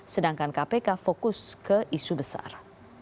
sedangkan kpk fokus ke isu besar